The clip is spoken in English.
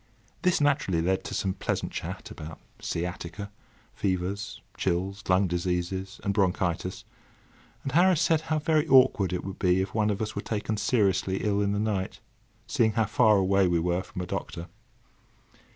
This naturally led to some pleasant chat about sciatica, fevers, chills, lung diseases, and bronchitis; and Harris said how very awkward it would be if one of us were taken seriously ill in the night, seeing how far away we were from a doctor.